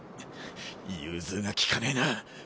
融通が利かねぇな。